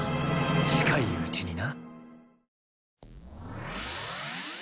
近いうちにな。